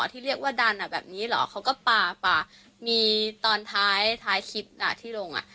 ที่เรียกว่าดันอ่ะแบบนี้เหรอเขาก็ป่าป่ามีตอนท้ายท้ายคลิปอ่ะที่ลงอ่ะ